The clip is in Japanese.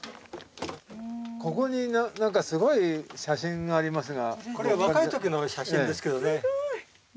ここに何かすごい写真がありますが。